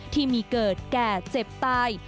ที่มีเกิดแก่เจ็บตาย